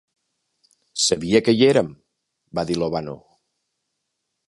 "Sabia que hi érem", va dir Lovano.